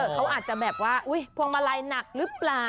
เขาอาจจะแบบว่าอุ๊ยพวงมาลัยหนักหรือเปล่า